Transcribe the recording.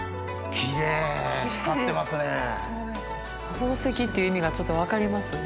宝石っていう意味がちょっと分かりますね。